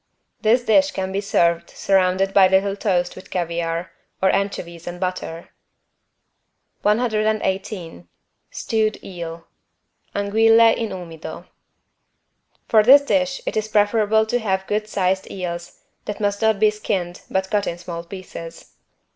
This dish can be served surrounded by little toast with caviar, or anchovies and butter. 118 STEWED EEL (Anguille in umido) For this dish it is preferable to have good sized eels that must not be skinned, but cut in small pieces.